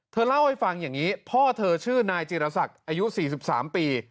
เธอเล่าให้ฟังอย่างนี้พ่อเธอชื่อนายจีรศักดิ์อายุ๔๓ปี